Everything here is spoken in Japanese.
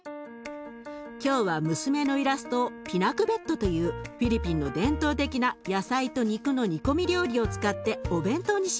今日は娘のイラストをピナクベットというフィリピンの伝統的な野菜と肉の煮込み料理を使ってお弁当にします。